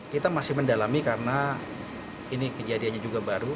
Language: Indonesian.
kita masih mendalami karena ini kejadiannya juga baru